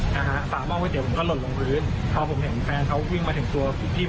ผมก็เลยไปหยิกสาหมอกขึ้นมาวางพอแฟนผู้หญิงเขาจับตัวพี่ของที่ล้ม